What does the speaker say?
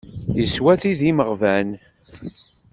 Yeswa tidi n imeɣban.